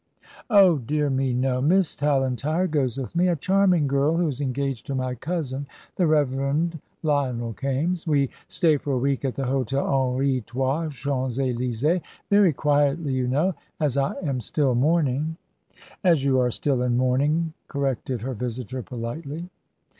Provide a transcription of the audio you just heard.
"Oh, dear me, no. Miss Tallentire goes with me. A charming girl who is engaged to my cousin, the Rev. Lionel Kaimes. We stay for a week at the Hotel Henri Trois, Champs Élysées. Very quietly, you know, as I am still mourning." "As you are still in mourning," corrected her visitor, politely.